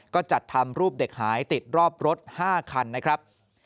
ก็จัดทำรูปเด็กหายติดรอบรถ๕คันนะครับ